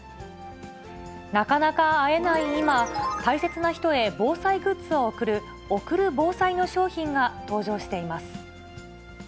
なかなか会えない今、大切な人へ防災グッズを贈る、贈る防災の商品が登場しています。